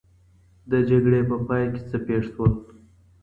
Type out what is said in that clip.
د جګړې په پای کي څه پېښ سول؟